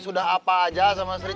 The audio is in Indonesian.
sudah apa aja sama sri